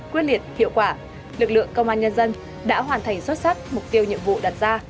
quyết liệt hiệu quả lực lượng công an nhân dân đã hoàn thành xuất sắc mục tiêu nhiệm vụ đặt ra